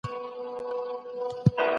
د قلم په واسطه مبارزه وکړئ.